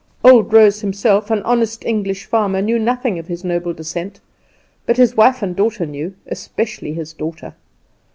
Old Rose himself, an honest English farmer, knew nothing of his noble descent; but his wife and daughter knew especially his daughter.